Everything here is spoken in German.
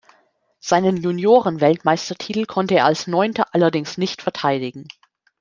Seinen Juniorenweltmeistertitel konnte er als Neunter allerdings nicht verteidigen.